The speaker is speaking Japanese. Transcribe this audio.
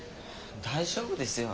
大丈夫ですよ。